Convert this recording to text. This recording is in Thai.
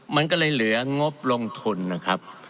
มันก็เลยเหลืองบลงทุนนะครับ